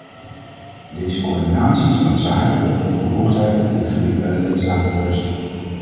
Deze coördinatie is noodzakelijk omdat de bevoegdheid op dit gebied bij de lidstaten berust.